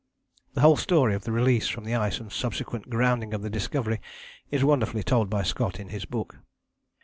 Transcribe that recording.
The whole story of the release from the ice and subsequent grounding of the Discovery is wonderfully told by Scott in his book.